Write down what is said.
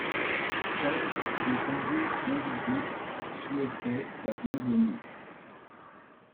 Seuls des tambours invisibles souhaitaient la bienvenue.